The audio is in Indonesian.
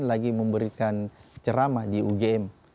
lagi memberikan ceramah di ugm